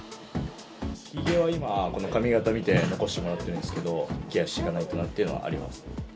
ひげは今、この髪形見て残してもらってるんですけど、ケアしていかないとなっていうのはあります。